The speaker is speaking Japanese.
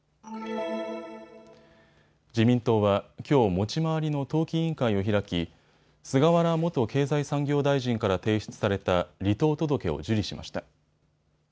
自民党はきょう、持ち回りの党紀委員会を開き菅原元経済産業大臣から提出された離党届を受理しました。